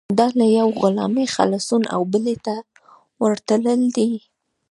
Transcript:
دا له یوې غلامۍ خلاصون او بلې ته ورتلل دي.